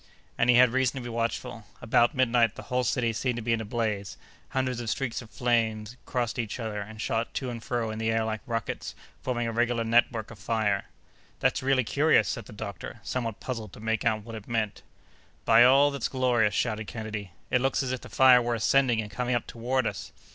And he had reason to be watchful. About midnight, the whole city seemed to be in a blaze. Hundreds of streaks of flame crossed each other, and shot to and fro in the air like rockets, forming a regular network of fire. "That's really curious!" said the doctor, somewhat puzzled to make out what it meant. "By all that's glorious!" shouted Kennedy, "it looks as if the fire were ascending and coming up toward us!"